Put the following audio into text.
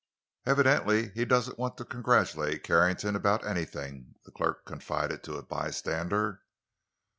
"Evidently he doesn't want to congratulate Carrington about anything," the clerk confided to a bystander.